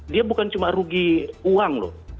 dia bukan cuma rugi uang loh